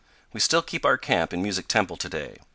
We still keep our camp in Music Temple to day.